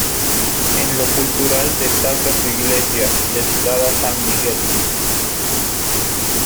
En lo cultural destaca su iglesia, dedicada a San Miguel.